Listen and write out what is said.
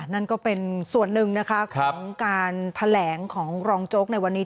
นั่นก็เป็นส่วนหนึ่งนะคะของการแถลงของรองโจ๊กในวันนี้